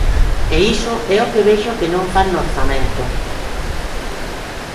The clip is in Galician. E iso é o que vexo que non fan no orzamento.